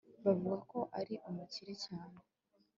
bavuga ko ari umukire cyane